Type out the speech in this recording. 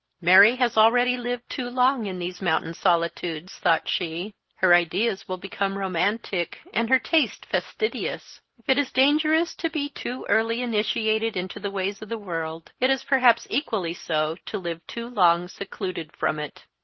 "Mary has already lived too long in these mountain solitudes," thought she; "her ideas will become romantic, and her taste fastidious. If it is dangerous to be too early initiated into the ways of the world, it is perhaps equally so to live too long secluded from it.